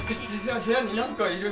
部屋になんかいる！